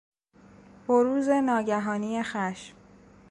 بروز ناگهانی خشم